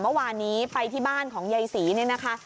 เมื่อวานนี้ไปที่บ้านของยายศรีเนี่ยนะคะ